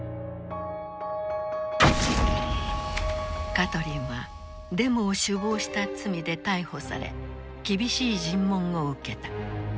カトリンはデモを首謀した罪で逮捕され厳しい尋問を受けた。